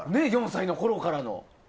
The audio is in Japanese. ４歳のころからのね。